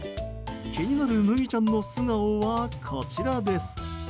気になる麦ちゃんの素顔はこちらです。